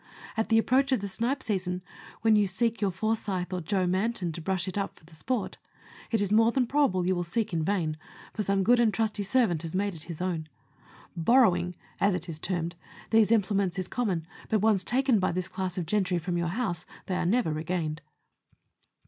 At the approach of the snipe season, when you seek your " Forsyth" or "Joe Manton," to brush it up for the sport, it is more than probable that you will seek in vain, for some good and trusty servant has made it his own. Borrowing (as it is termed) these implements is common, but once taken by this class of gentry from your house they are never regained.